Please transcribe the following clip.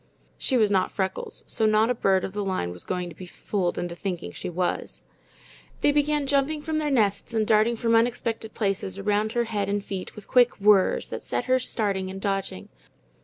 She was not Freckles, so not a bird of the line was going to be fooled into thinking she was. They began jumping from their nests and darting from unexpected places around her head and feet, with quick whirs, that kept her starting and dodging.